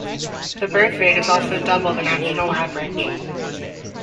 The birth rate is also double the national average.